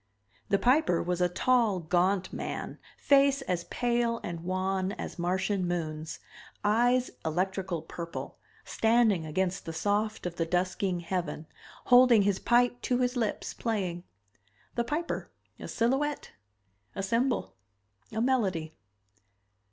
The Piper was a tall, gaunt man, face as pale and wan as Martian moons, eyes electrical purple, standing against the soft of the dusking heaven, holding his pipe to his lips, playing. The Piper a silhouette a symbol a melody.